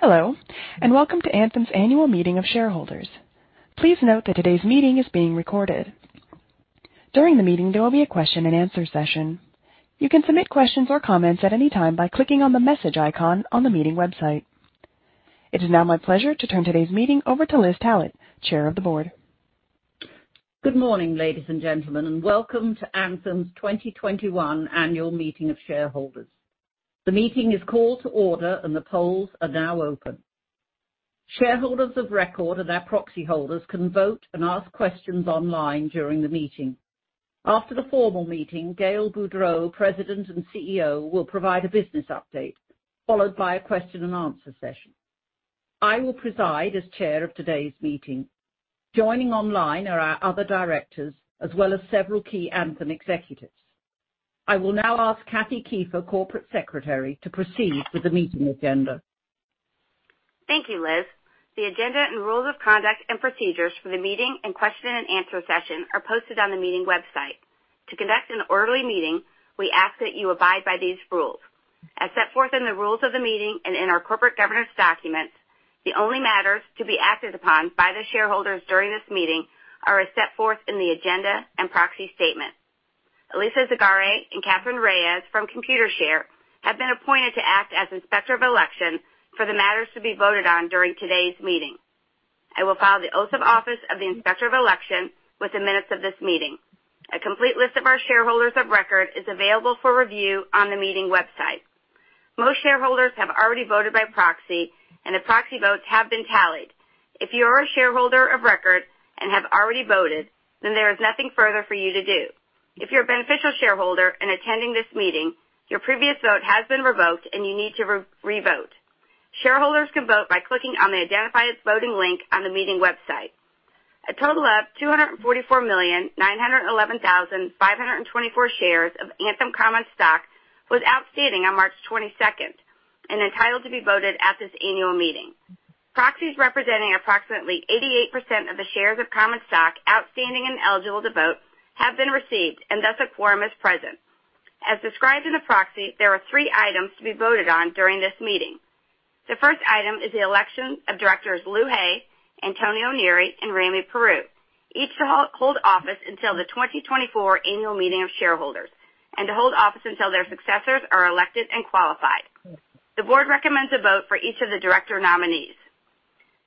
Hello, welcome to Anthem's annual meeting of shareholders. Please note that today's meeting is being recorded. During the meeting, there will be a question and answer session. You can submit questions or comments at any time by clicking on the message icon on the meeting website. It is now my pleasure to turn today's meeting over to Liz Tallett, Chair of the Board. Good morning, ladies and gentlemen, and welcome to Anthem's 2021 annual meeting of shareholders. The meeting is called to order and the polls are now open. Shareholders of record and their proxy holders can vote and ask questions online during the meeting. After the formal meeting, Gail Boudreaux, President and CEO, will provide a business update, followed by a question and answer session. I will preside as chair of today's meeting. Joining online are our other directors, as well as several key Anthem executives. I will now ask Kathleen B. Kiefer, Corporate Secretary, to proceed with the meeting agenda. Thank you, Elizabeth E. Tallett. The agenda and rules of conduct and procedures for the meeting and question and answer session are posted on the meeting website. To conduct an orderly meeting, we ask that you abide by these rules. As set forth in the rules of the meeting and in our corporate governance documents, the only matters to be acted upon by the shareholders during this meeting are as set forth in the agenda and proxy statement. Alicia Zagaray and Katherine Reyes from Computershare have been appointed to act as Inspector of Election for the matters to be voted on during today's meeting. I will file the Oath of Office of the Inspector of Election with the minutes of this meeting. A complete list of our shareholders of record is available for review on the meeting website. Most shareholders have already voted by proxy, and the proxy votes have been tallied. If you are a shareholder of record and have already voted, then there is nothing further for you to do. If you're a beneficial shareholder and attending this meeting, your previous vote has been revoked, and you need to revote. Shareholders can vote by clicking on the Identify as Voting link on the meeting website. A total of 244,911,524 shares of Anthem common stock was outstanding on March 22nd and entitled to be voted at this annual meeting. Proxies representing approximately 88% of the shares of common stock outstanding and eligible to vote have been received, and thus a quorum is present. As described in the proxy, there are three items to be voted on during this meeting. The first item is the election of directors Lewis Hay III, Antonio F. Neri, and Ramiro G. Peru, each to hold office until the 2024 annual meeting of shareholders and to hold office until their successors are elected and qualified. The board recommends a vote for each of the director nominees.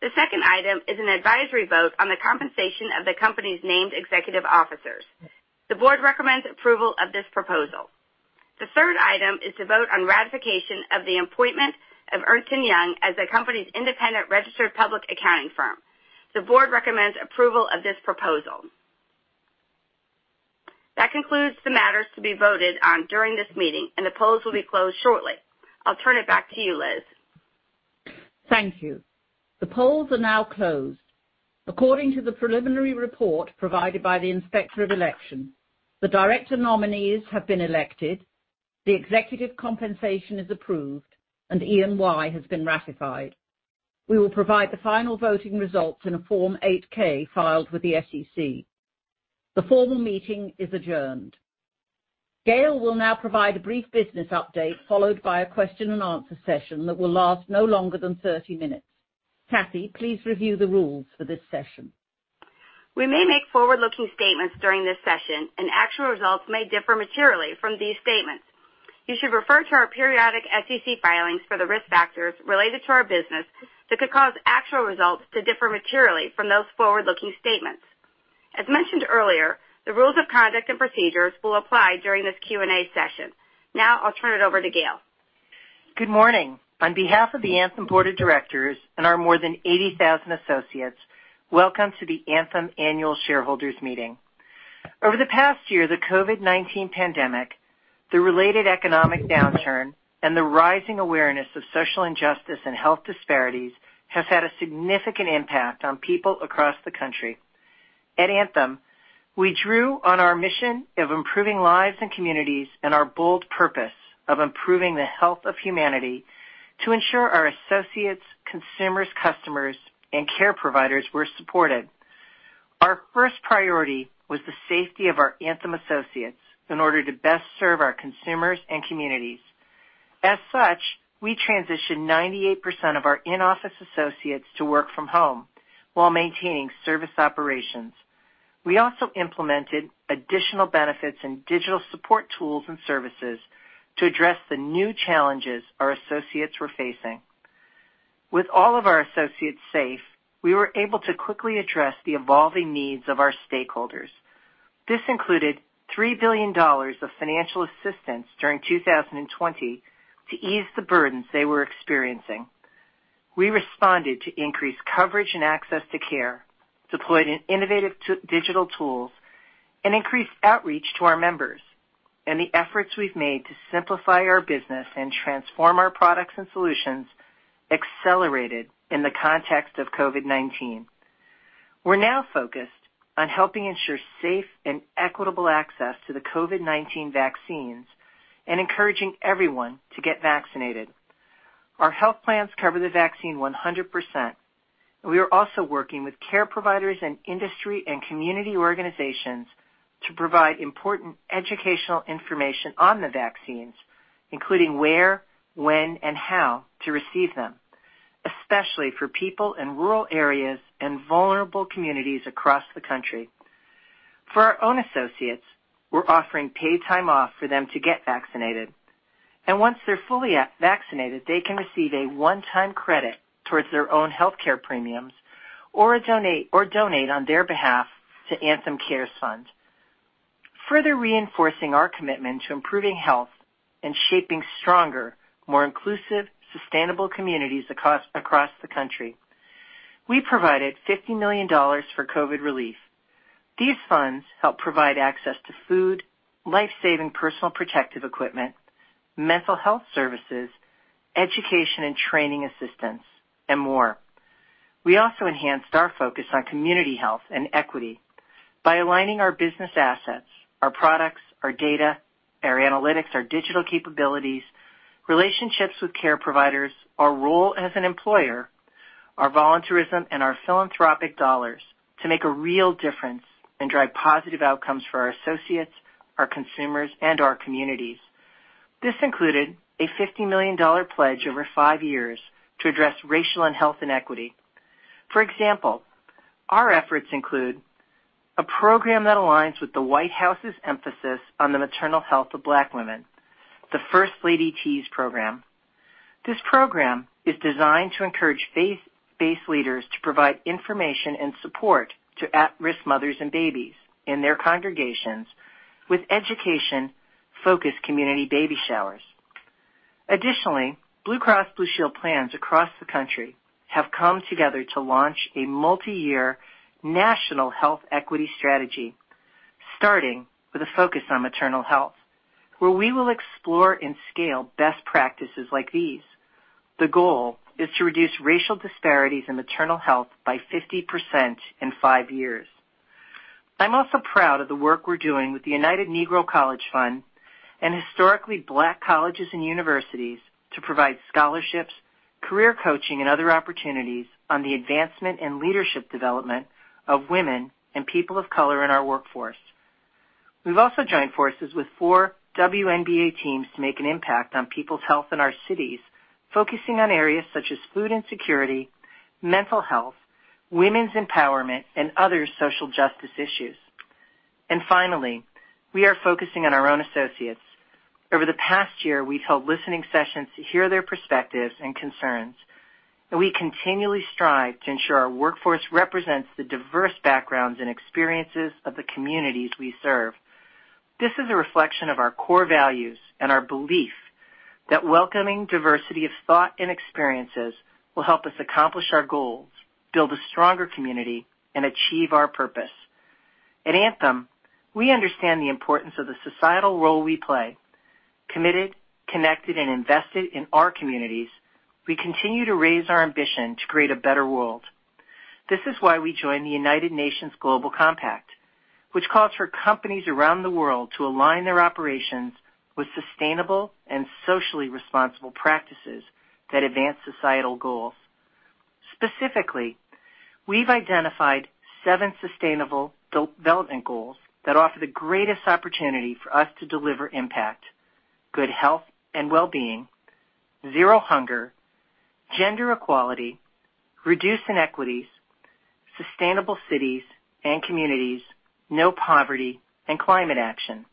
The second item is an advisory vote on the compensation of the company's named executive officers. The board recommends approval of this proposal. The third item is to vote on ratification of the appointment of Ernst & Young as the company's independent registered public accounting firm. The board recommends approval of this proposal. That concludes the matters to be voted on during this meeting, and the polls will be closed shortly. I'll turn it back to you, Elizabeth E. Tallett. Thank you. The polls are now closed. According to the preliminary report provided by the Inspector of Election, the director nominees have been elected, the executive compensation is approved, and E&Y has been ratified. We will provide the final voting results in a Form 8-K filed with the SEC. The formal meeting is adjourned. Gail will now provide a brief business update followed by a question and answer session that will last no longer than 30 minutes. Kathy, please review the rules for this session. We may make forward-looking statements during this session, and actual results may differ materially from these statements. You should refer to our periodic SEC filings for the risk factors related to our business that could cause actual results to differ materially from those forward-looking statements. As mentioned earlier, the rules of conduct and procedures will apply during this Q&A session. Now I'll turn it over to Gail. Good morning. On behalf of the Anthem Board of Directors and our more than 80,000 associates, welcome to the Anthem Annual Shareholders Meeting. Over the past year, the COVID-19 pandemic, the related economic downturn, and the rising awareness of social injustice and health disparities have had a significant impact on people across the country. At Anthem, we drew on our mission of improving lives and communities and our bold purpose of improving the health of humanity to ensure our associates, consumers, customers, and care providers were supported. Our first priority was the safety of our Anthem associates in order to best serve our consumers and communities. As such, we transitioned 98% of our in-office associates to work from home while maintaining service operations. We also implemented additional benefits and digital support tools and services to address the new challenges our associates were facing. With all of our associates safe, we were able to quickly address the evolving needs of our stakeholders. This included $3 billion of financial assistance during 2020 to ease the burdens they were experiencing. We responded to increased coverage and access to care, deployed innovative digital tools, increased outreach to our members. The efforts we've made to simplify our business and transform our products and solutions accelerated in the context of COVID-19. We're now focused on helping ensure safe and equitable access to the COVID-19 vaccines and encouraging everyone to get vaccinated. Our health plans cover the vaccine 100%. We are also working with care providers and industry and community organizations to provide important educational information on the vaccines, including where, when, and how to receive them, especially for people in rural areas and vulnerable communities across the country. For our own associates, we're offering paid time off for them to get vaccinated. Once they're fully vaccinated, they can receive a one-time credit towards their own healthcare premiums or donate on their behalf to Anthem Cares Fund. Further reinforcing our commitment to improving health and shaping stronger, more inclusive, sustainable communities across the country, we provided $50 million for COVID relief. These funds help provide access to food, life-saving personal protective equipment, mental health services, education and training assistance, and more. We also enhanced our focus on community health and equity by aligning our business assets, our products, our data, our analytics, our digital capabilities, relationships with care providers, our role as an employer, our volunteerism, and our philanthropic dollars to make a real difference and drive positive outcomes for our associates, our consumers, and our communities. This included a $50 million pledge over five years to address racial and health inequity. For example, our efforts include a program that aligns with the White House's emphasis on the maternal health of Black women, the First Lady's Tea Program. This program is designed to encourage faith leaders to provide information and support to at-risk mothers and babies in their congregations with education-focused community baby showers. Additionally, Blue Cross Blue Shield plans across the country have come together to launch a multi-year national health equity strategy, starting with a focus on maternal health, where we will explore and scale best practices like these. The goal is to reduce racial disparities in maternal health by 50% in five years. I'm also proud of the work we're doing with the United Negro College Fund and historically Black colleges and universities to provide scholarships, career coaching, and other opportunities on the advancement and leadership development of women and people of color in our workforce. We've also joined forces with four WNBA teams to make an impact on people's health in our cities, focusing on areas such as food insecurity, mental health, women's empowerment, and other social justice issues. Finally, we are focusing on our own associates. Over the past year, we held listening sessions to hear their perspectives and concerns, and we continually strive to ensure our workforce represents the diverse backgrounds and experiences of the communities we serve. This is a reflection of our core values and our belief that welcoming diversity of thought and experiences will help us accomplish our goals, build a stronger community, and achieve our purpose. At Anthem, we understand the importance of the societal role we play. Committed, connected, and invested in our communities, we continue to raise our ambition to create a better world. This is why we joined the United Nations Global Compact, which calls for companies around the world to align their operations with sustainable and socially responsible practices that advance societal goals. Specifically, we've identified seven sustainable development goals that offer the greatest opportunity for us to deliver impact, good health and wellbeing, zero hunger, gender equality, reduced inequities, sustainable cities and communities, no poverty, and climate action.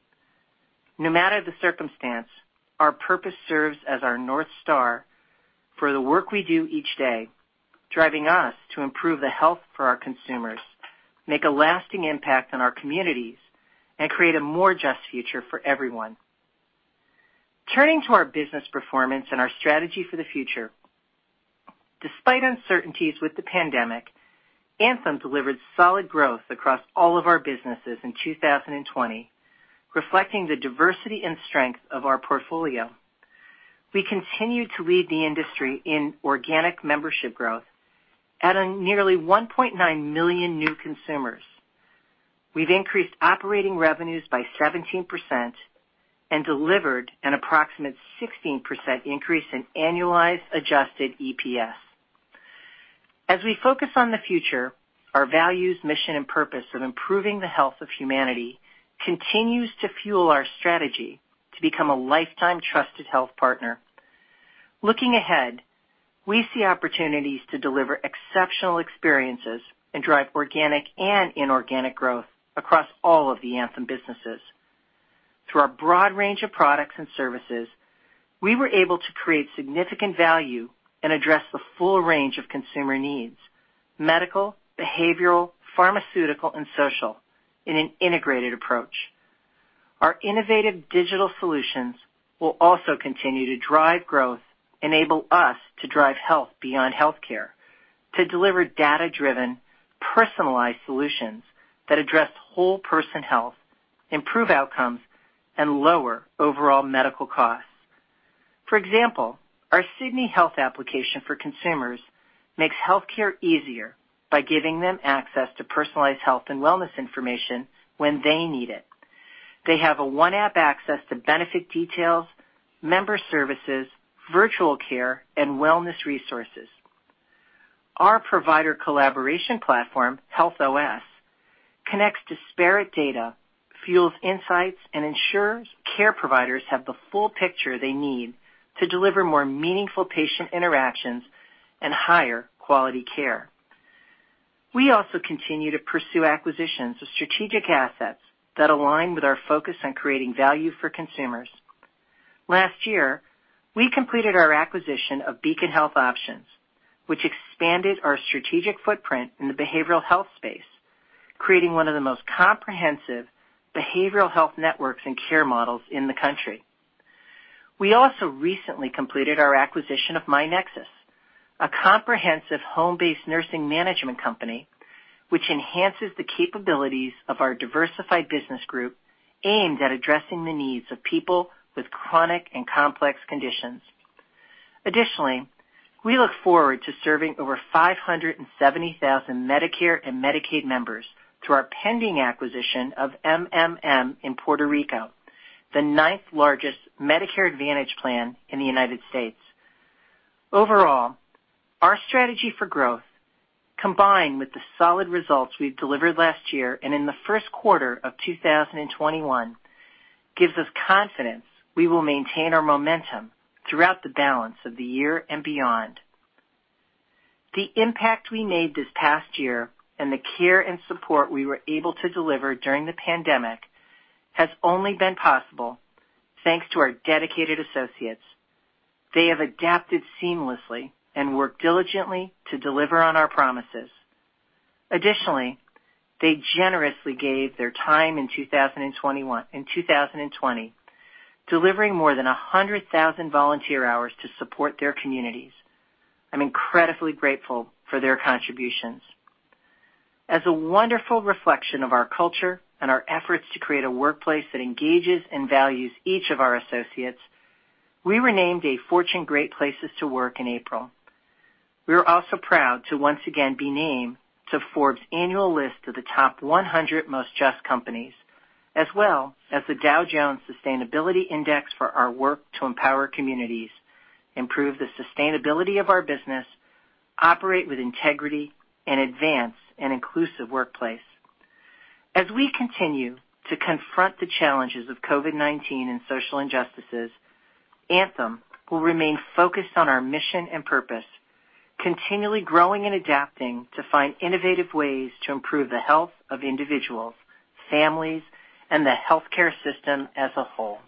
No matter the circumstance, our purpose serves as our North Star for the work we do each day, driving us to improve the health for our consumers, make a lasting impact on our communities, and create a more just future for everyone. Turning to our business performance and our strategy for the future. Despite uncertainties with the pandemic, Anthem delivered solid growth across all of our businesses in 2020, reflecting the diversity and strength of our portfolio. We continue to lead the industry in organic membership growth, adding nearly 1.9 million new consumers. We've increased operating revenues by 17% and delivered an approximate 16% increase in annualized adjusted EPS. As we focus on the future, our values, mission, and purpose of improving the health of humanity continues to fuel our strategy to become a lifetime trusted health partner. Looking ahead, we see opportunities to deliver exceptional experiences and drive organic and inorganic growth across all of the Anthem businesses. Through our broad range of products and services, we were able to create significant value and address the full range of consumer needs, medical, behavioral, pharmaceutical, and social, in an integrated approach. Our innovative digital solutions will also continue to drive growth and enable us to drive health beyond healthcare, to deliver data-driven, personalized solutions that address whole person health, improve outcomes, and lower overall medical costs. For example, our Sydney Health application for consumers makes healthcare easier by giving them access to personalized health and wellness information when they need it. They have a one-app access to benefit details, member services, virtual care, and wellness resources. Our provider collaboration platform, HealthOS, connects disparate data, fuels insights, and ensures care providers have the full picture they need to deliver more meaningful patient interactions and higher quality care. We also continue to pursue acquisitions of strategic assets that align with our focus on creating value for consumers. Last year, we completed our acquisition of Beacon Health Options, which expanded our strategic footprint in the behavioral health space, creating one of the most comprehensive behavioral health networks and care models in the country. We also recently completed our acquisition of myNEXUS, a comprehensive home-based nursing management company, which enhances the capabilities of our diversified business group aimed at addressing the needs of people with chronic and complex conditions. Additionally, we look forward to serving over 570,000 Medicare and Medicaid members through our pending acquisition of MMM in Puerto Rico, the ninth largest Medicare Advantage Plan in the United States. Overall, our strategy for growth, combined with the solid results we delivered last year and in the Q1 of 2021, gives us confidence we will maintain our momentum throughout the balance of the year and beyond. The impact we made this past year and the care and support we were able to deliver during the pandemic has only been possible thanks to our dedicated associates. They have adapted seamlessly and worked diligently to deliver on our promises. Additionally, they generously gave their time in 2020, delivering more than 100,000 volunteer hours to support their communities. I'm incredibly grateful for their contributions. As a wonderful reflection of our culture and our efforts to create a workplace that engages and values each of our associates, we were named a Fortune Great Places to Work in April. We are also proud to once again be named to Forbes' annual list of the top 100 most Just Companies, as well as the Dow Jones Sustainability Index for our work to empower communities, improve the sustainability of our business, operate with integrity, and advance an inclusive workplace. As we continue to confront the challenges of COVID-19 and social injustices, Anthem will remain focused on our mission and purpose, continually growing and adapting to find innovative ways to improve the health of individuals, families, and the healthcare system as a whole.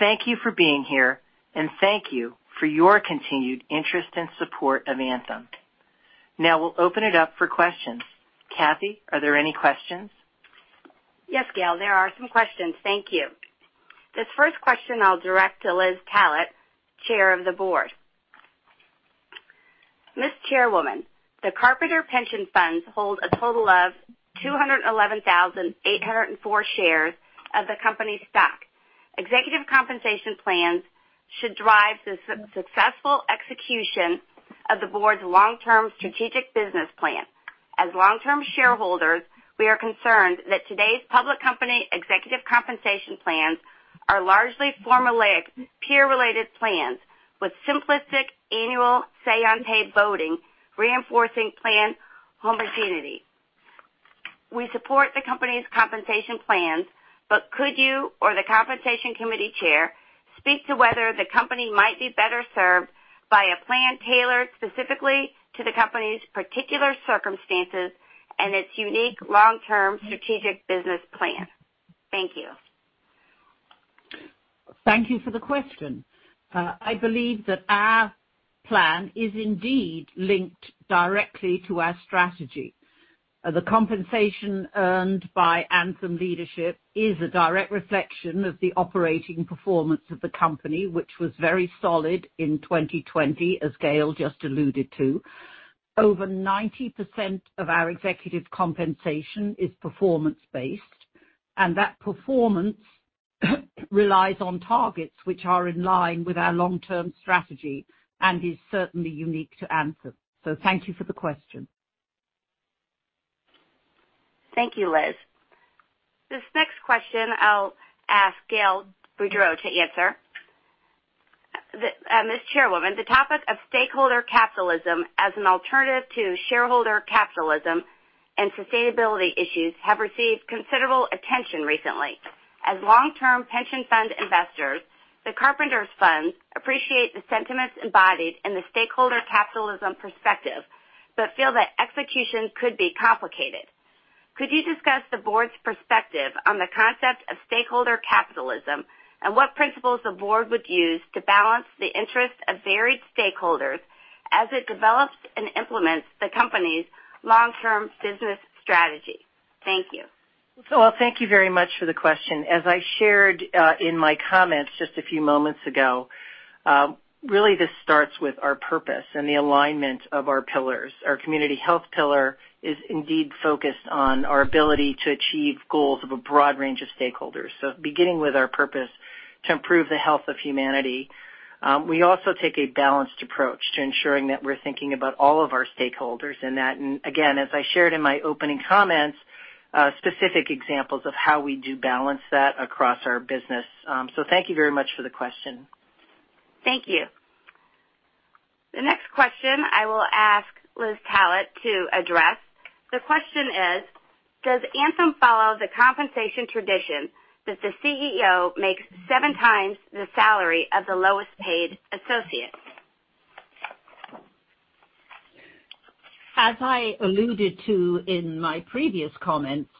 Thank you for being here, and thank you for your continued interest and support of Anthem. Now we'll open it up for questions. Kathy, are there any questions? Yes, Gail, there are some questions. Thank you. This first question I'll direct to Liz Tallett, Chair of the Board. Ms. Chairwoman, the Carpenters Pension Fund holds a total of 211,804 shares of the company's stock. Executive compensation plans should drive the successful execution of the Board's long-term strategic business plan. As long-term shareholders, we are concerned that today's public company executive compensation plans are largely formulaic, peer-related plans with simplistic annual say-on-pay voting, reinforcing plan homogeneity. We support the company's compensation plans, but could you or the Compensation Committee Chair speak to whether the company might be better served by a plan tailored specifically to the company's particular circumstances and its unique long-term strategic business plan? Thank you. Thank you for the question. I believe that our plan is indeed linked directly to our strategy. The compensation earned by Anthem leadership is a direct reflection of the operating performance of the company, which was very solid in 2020, as Gail just alluded to. Over 90% of our executive compensation is performance-based. That performance relies on targets which are in line with our long-term strategy and is certainly unique to Anthem. Thank you for the question. Thank you, Liz. This next question I'll ask Gail Boudreaux to answer. Ms. Chairwoman, the topic of stakeholder capitalism as an alternative to shareholder capitalism and sustainability issues have received considerable attention recently. As long-term pension fund investors, the Carpenters Fund appreciates the sentiments embodied in the stakeholder capitalism perspective but feels that execution could be complicated. Could you discuss the board's perspective on the concept of stakeholder capitalism and what principles the board would use to balance the interests of varied stakeholders as it develops and implements the company's long-term business strategy? Thank you. Thank you very much for the question. As I shared in my comments just a few moments ago, really this starts with our purpose and the alignment of our pillars. Our community health pillar is indeed focused on our ability to achieve goals of a broad range of stakeholders. Beginning with our purpose. To improve the health of humanity. We also take a balanced approach to ensuring that we're thinking about all of our stakeholders in that. Again, as I shared in my opening comments, specific examples of how we do balance that across our business. Thank you very much for the question. Thank you. The next question I will ask Liz Tallett to address. The question is, does Anthem follow the compensation tradition that the CEO makes seven times the salary of the lowest paid associate? As I alluded to in my previous comments,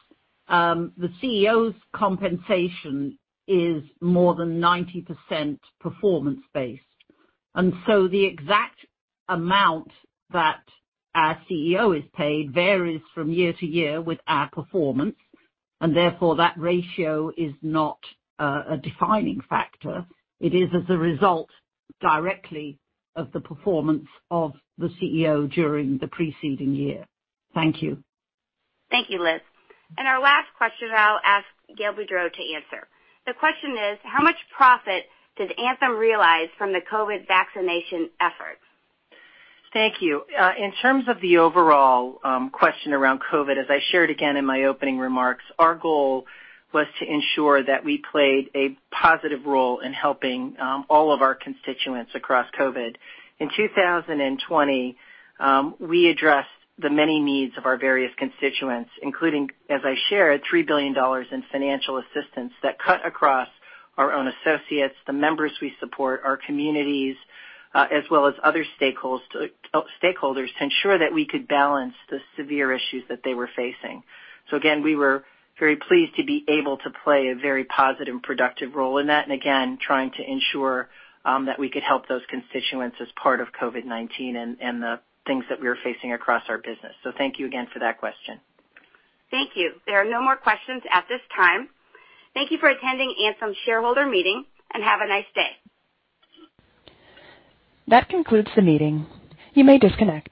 the CEO's compensation is more than 90% performance-based, and so the exact amount that our CEO is paid varies from year to year with our performance, and therefore that ratio is not a defining factor. It is as a result directly of the performance of the CEO during the preceding year. Thank you. Thank you, Liz. Our last question I'll ask Gail Boudreaux to answer. The question is, how much profit does Anthem realize from the COVID vaccination efforts? Thank you. In terms of the overall question around COVID-19, as I shared again in my opening remarks, our goal was to ensure that we played a positive role in helping all of our constituents across COVID-19. In 2020, we addressed the many needs of our various constituents, including, as I shared, $3 billion in financial assistance that cut across our own associates, the members we support, our communities, as well as other stakeholders to ensure that we could balance the severe issues that they were facing. Again, we were very pleased to be able to play a very positive, productive role in that, and again, trying to ensure that we could help those constituents as part of COVID-19 and the things that we were facing across our business. Thank you again for that question. Thank you. There are no more questions at this time. Thank you for attending Anthem's shareholder meeting, and have a nice day. That concludes the meeting. You may disconnect.